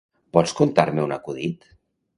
Pots contar-me un acudit?